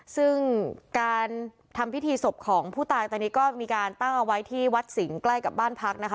ซึ่งการทำพิธีศพของผู้ตายตอนนี้ก็มีการตั้งเอาไว้ที่วัดสิงห์ใกล้กับบ้านพักนะคะ